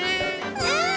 うん！